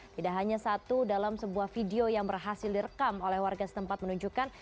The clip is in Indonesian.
tidak hanya satu dalam sebuah video yang berhasil direkam oleh warga setempat menunjukkan